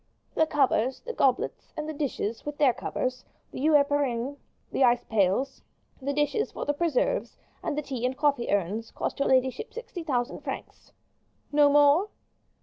"The covers, the goblets, and the dishes, with their covers, the eau epergne, the ice pails, the dishes for the preserves, and the tea and coffee urns, cost your ladyship sixty thousand francs." "No more?"